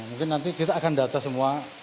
mungkin nanti kita akan data semua